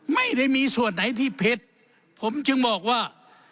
ไม่ได้มีส่วนไหนที่เพชรผมจึงบอกว่า